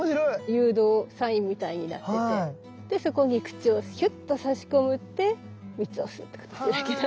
誘導サインみたいになっててでそこに口をヒュッとさし込んで蜜を吸うっていう形だけど。